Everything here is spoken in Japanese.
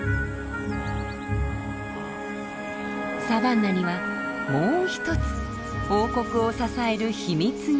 サバンナにはもう一つ王国を支える秘密があります。